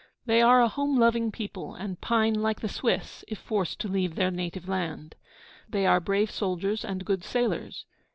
They are a home loving people, and pine like the Swiss, if forced to leave their native land. They are brave soldiers and good sailors.